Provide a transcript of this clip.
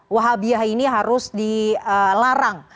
wahabiah ini harus dilarang